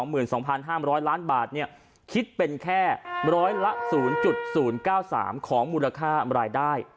มูลค่า๒๒๕๐๐ล้านบาทเนี่ยคิดเป็นแค่๑๐๐ละ๐๐๙๓ของมูลค่าอำรายได้